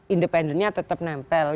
independennya tetap nempel